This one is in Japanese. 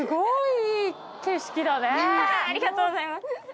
ありがとうございます。